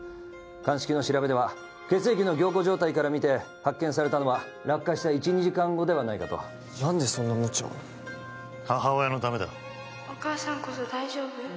鑑識の調べでは血液の凝固状態からみて発見されたのは落下した１２時間後ではないかと何でそんなムチャを母親のためだ☎お母さんこそ大丈夫？